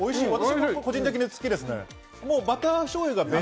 私は個人的に好きですね。